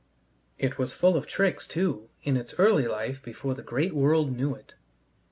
It was full of tricks, too, in its early life before the great world knew it.